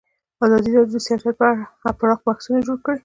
ازادي راډیو د سیاست په اړه پراخ بحثونه جوړ کړي.